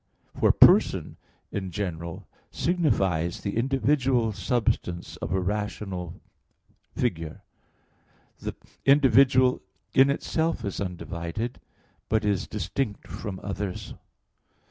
For "person" in general signifies the individual substance of a rational figure. The individual in itself is undivided, but is distinct from others.